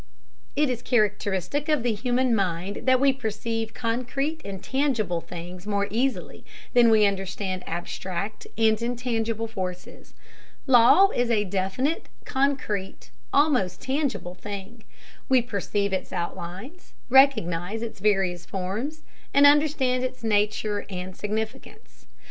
It is characteristic of the human mind that we perceive concrete and tangible things more easily than we understand abstract and intangible forces. Law is a definite, concrete, almost tangible thing; we perceive its outlines, recognize its various forms, and understand its nature and significance.